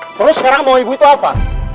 terus sekarang mau ibu itu apa